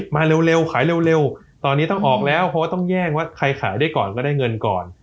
มาเร็วขายเร็วตอนนี้ต้องออกแล้วเพราะว่าต้องแย่งว่าใครขายได้ก่อนก็ได้เงินก่อน